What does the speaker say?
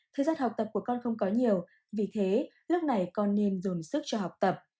thời gian học tập của con không có nhiều vì thế lúc này con nên dồn sức cho học tập